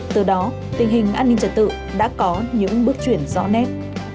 từ đó tình hình an ninh trật tự đã có những bước chuyển rõ nét